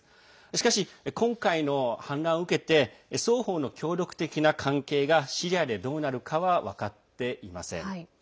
しかし、今回の反乱を受けて双方の協力的な関係がシリアでどうなるかは分かっていません。